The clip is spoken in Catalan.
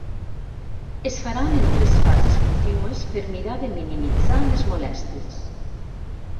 Es faran en tres fases contínues per mirar de minimitzar les molèsties.